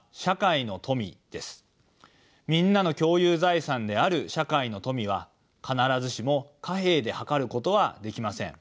みんなの共有財産である社会の富は必ずしも貨幣ではかることはできません。